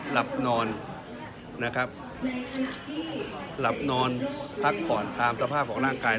หลับนอนนะครับหลับนอนพักผ่อนตามสภาพของร่างกาย